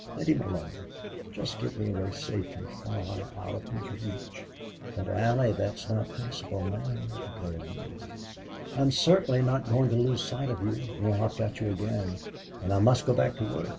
Let him alone. Just get me away safely, far out of his reach." "But, Allie, that's not possible now," declared Neale, "I'm certainly not going to lose sight of you, now I've got you again. And I must go back to work.